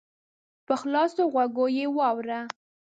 په خلاصو غوږو یې واوره !